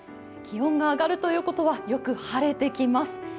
気温が上がるということはよく晴れてきます。